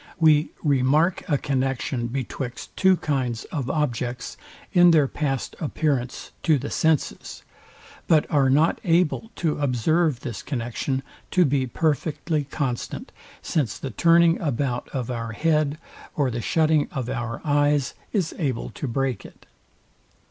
We remark a connexion betwixt two kinds of objects in their past appearance to the senses, but are not able to observe this connexion to be perfectly constant, since the turning about of our head or the shutting of our eyes is able to break it.